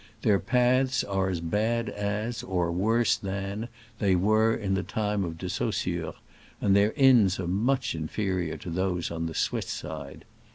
Their paths are as bad as, or worse than, they were in the time of De Saussure, and their inns are much inferior to those on the Swiss side.